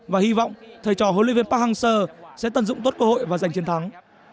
và hy vọng thầy trò hlv park hang seo sẽ tận dụng tốt cơ hội và giành chiến thắng